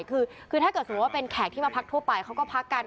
คือถ้าเกิดสมมุติว่าเป็นแขกที่มาพักทั่วไปเขาก็พักกัน